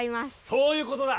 そういうことだ！